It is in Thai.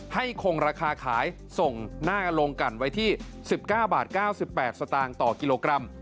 คงราคาขายส่งหน้าโรงกันไว้ที่๑๙บาท๙๘สตางค์ต่อกิโลกรัม